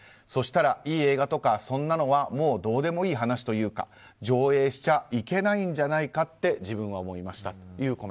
そしたら、いい映画とかそんなのはもうどうでもいい話というか上映しちゃいけないんじゃないかって自分は思いました